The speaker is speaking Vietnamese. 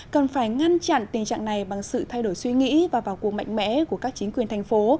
cần phải ngăn chặn tình trạng này bằng sự thay đổi suy nghĩ và vào cuộc mạnh mẽ của các chính quyền thành phố